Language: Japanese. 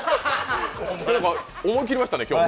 思い切りましたね、今日は。